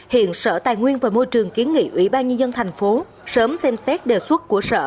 hiện sở tài nguyên và môi trường kiến nghị ủy ban nhân dân thành phố sớm xem xét đề xuất của sở